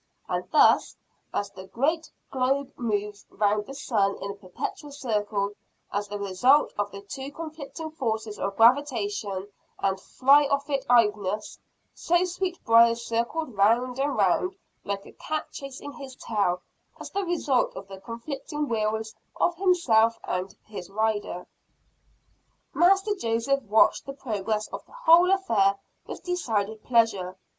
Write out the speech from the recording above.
And thus, as the great globe moves around the sun in a perpetual circle, as the result of the two conflicting forces of gravitation and fly off it iveness, so Sweetbriar circled around and around, like a cat chasing his tail, as the result of the conflicting wills of himself and his rider. Master Joseph watched the progress of the whole affair with decided pleasure.